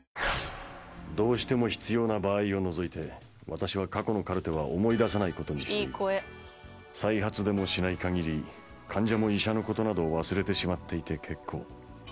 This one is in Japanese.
「どうしても必要な場合を除いて私は過去のカルテは思い出さないことにしている」「再発でもしないかぎり患者も医者のことなど忘れてしまっていて結構」